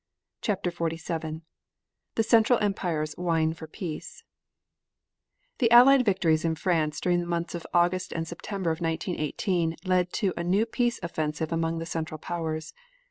CHAPTER XLVII THE CENTRAL EMPIRES WHINE FOR PEACE The Allied victories in France during the months of August and September of 1918, led to a new peace offensive among the Central Powers.